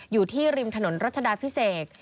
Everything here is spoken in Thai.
อยู่ที่ริมถนนรัชดาพิเศษ